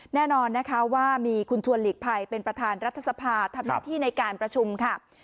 แน่นอนนะคะว่ามีคุณชวนหลีกภัยเป็นประธานรัฐสภาทำหน้าที่ในการประชุมค่ะ